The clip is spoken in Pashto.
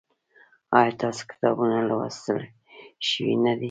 ایا ستاسو کتابونه لوستل شوي نه دي؟